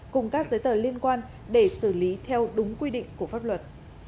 cùng các giấy tờ liên quan để xử lý theo đúng quy định của pháp luật